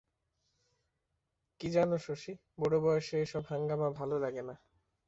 কী জানো শশী, বুড়োবয়সে এসব হাঙ্গামা ভালো লাগে না।